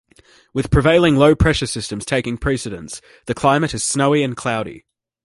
With prevailing low-pressure systems taking precedence, the climate is snowy and cloudy.